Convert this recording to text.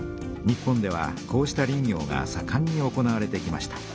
日本ではこうした林業がさかんに行われてきました。